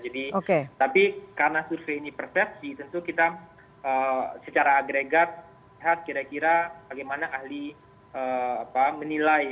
jadi tapi karena survei ini persepsi tentu kita secara agregat lihat kira kira bagaimana ahli menilai